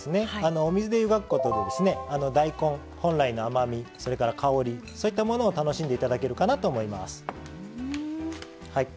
お水で湯がくことで大根本来の甘み、それから香りそういったものを楽しんでいただけるかなと思います。